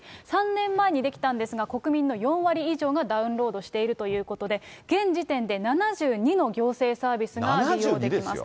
３年前に出来たんですが、国民の４割以上がダウンロードしているということで、現時点で７２の行政サービスが利用できます。